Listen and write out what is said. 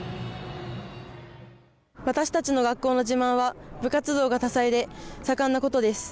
私たちの学校の自慢は部活動が多彩で盛んなことです。